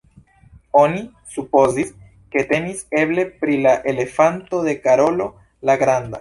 Oni supozis, ke temis eble pri la elefanto de Karolo la granda.